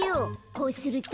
こうすると。